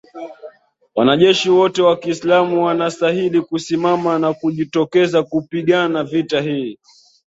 wanajeshi wote wa kiislamu wanastahili kusimama na kujitokeza kupigana vita hii